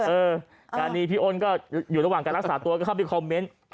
งานนี้พี่อ้นก็อยู่ระหว่างการรักษาตัวก็เข้าไปคอมเมนต์